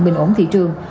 bình ổn thị trường